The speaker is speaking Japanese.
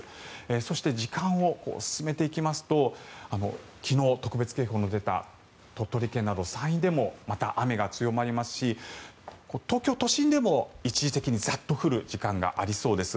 そして、時間を進めていきますと昨日、特別警報の出た鳥取県など山陰でもまた雨が強まりますし東京都心でも一時的にザッと降る時間帯がありそうです。